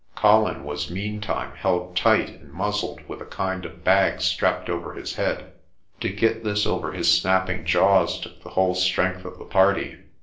Colin was meantime held tight and muzzled with a kind of bag strapped over his head. To 186 PRESTER JOHN get this over his snapping jaws took the whole strength of the party.